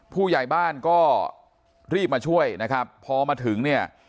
ผู้ใหญ่บ้านก็รีบมาช่วยนะครับพอมาถึงเนี่ย